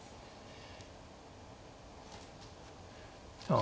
あ。